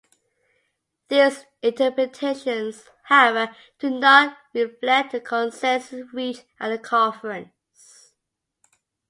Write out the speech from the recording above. These interpretations, however, do not reflect the consensus reached at the Conference.